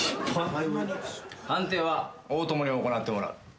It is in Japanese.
判定は大友に行ってもらう。